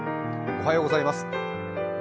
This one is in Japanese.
おはようございます。